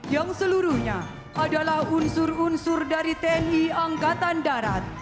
yang seluruhnya adalah unsur unsur dari tni angkatan darat